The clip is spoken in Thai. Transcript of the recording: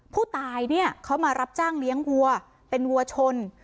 ผู้ตายเนี่ยเขามารับจ้างเลี้ยงวัวเป็นวัวชน